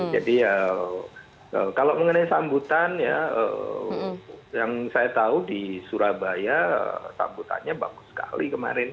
jadi ya kalau mengenai sambutan ya yang saya tahu di surabaya sambutannya bagus sekali kemarin